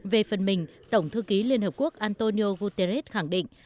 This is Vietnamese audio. về phần mình tổng thư ký liên hợp quốc antonio guterres khẳng định